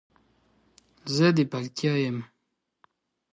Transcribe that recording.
زه د پکتیا یم